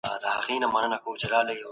د عقیدې احترام د انسانیت نښه ده.